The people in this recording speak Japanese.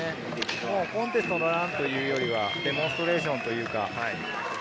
コンテストのランというよりはデモンストレーションというか。